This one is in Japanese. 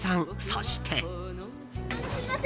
そして。